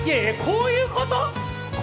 こういうこと！？